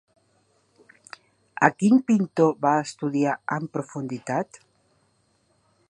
A quin pintor va estudiar en profunditat?